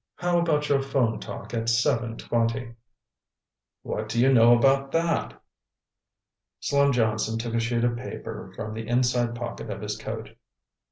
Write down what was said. How about your phone talk at seven twenty?" "What do you know about that?" Slim Johnson took a sheet of paper from the inside pocket of his coat.